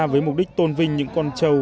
với mục đích tôn vinh những con châu